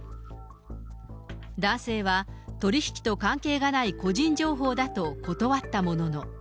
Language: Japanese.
男性は、取り引きと関係がない個人情報だと断ったものの。